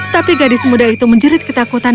tapi gadis muda itu menjerit ketakutan